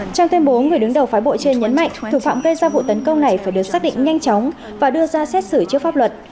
trong tuyên bố người đứng đầu phái bộ trên nhấn mạnh thủ phạm gây ra vụ tấn công này phải được xác định nhanh chóng và đưa ra xét xử trước pháp luật